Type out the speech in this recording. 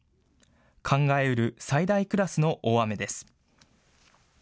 考えうる最大クラスの大雨です。